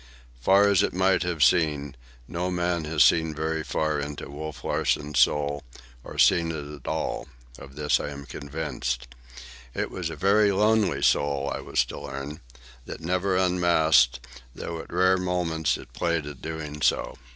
Far as it might have seemed, no man has ever seen very far into Wolf Larsen's soul, or seen it at all,—of this I am convinced. It was a very lonely soul, I was to learn, that never unmasked, though at rare moments it played at doing so.